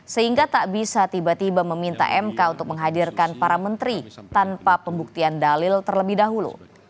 sehingga tak bisa tiba tiba meminta mk untuk menghadirkan para menteri tanpa pembuktian dalil terlebih dahulu